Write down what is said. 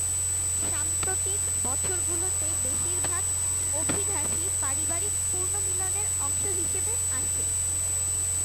সাম্প্রতিক বছরগুলিতে বেশিরভাগ অভিবাসী পারিবারিক পুনর্মিলনের অংশ হিসাবে আসে।